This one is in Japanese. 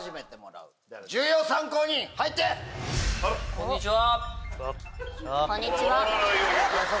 こんにちは。